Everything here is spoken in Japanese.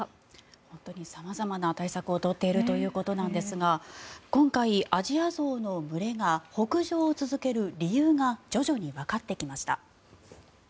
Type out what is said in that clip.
本当に様々な対策を取っているということですが今回、アジアゾウの群れが北上を続ける理由が徐々にわかってきました。